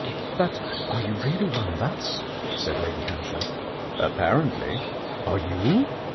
"But are you really one of us?" said Lady Hampshire. "Apparently. Are you?"